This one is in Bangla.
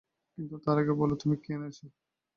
কিন্তু তার আগে বল, তুমি কী এনেছ?